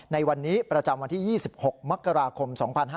ในวันนี้ประจำวันที่๒๖มกราคม๒๕๕๙